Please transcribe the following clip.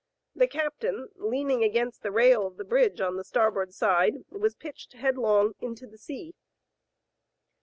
The captain, leaning against the rail of the bridge on the starboard side, was pitched headlong into the sea.